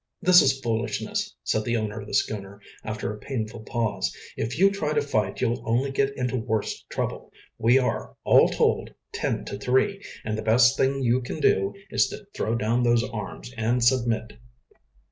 "This is foolishness," said the owner of the schooner, after a painful pause. "If you try to fight you'll only get into worse trouble. We are, all told, ten to three, and the best thing you can do is to throw down those arms and submit."